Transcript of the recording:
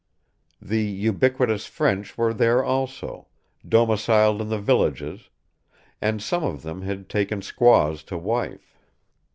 The ubiquitous French were there also, domiciled in the villages, and some of them had taken squaws to wife.